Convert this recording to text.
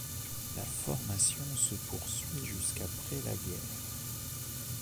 La formation se poursuit jusqu’après la guerre.